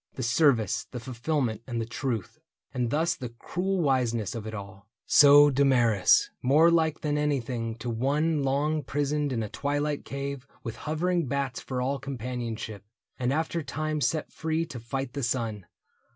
The service, the fulfillment, and the truth. And thus the cruel wiseness of it all. So Damaris, more like than anything To one long prisoned in a twilight cave With hovering bats for all companionship. And after time set free to fight the sun.